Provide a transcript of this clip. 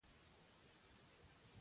مجاهد د محرومو خلکو لاسنیوی کوي.